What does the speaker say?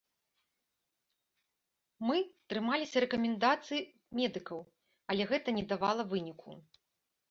Мы трымаліся рэкамендацый медыкаў, але гэта не давала выніку.